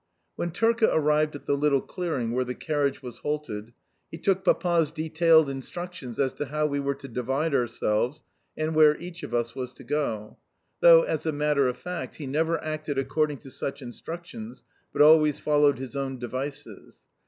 When Turka arrived at the little clearing where the carriage was halted he took Papa's detailed instructions as to how we were to divide ourselves and where each of us was to go (though, as a matter of fact, he never acted according to such instructions, but always followed his own devices).